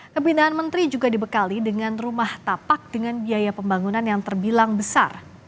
kebinaan menteri juga dibekali dengan rumah tapak dengan biaya pembangunan yang terbilang besar